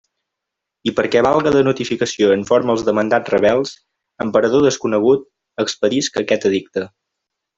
I perquè valga de notificació en forma als demandats rebels, en parador desconegut, expedisc aquest edicte.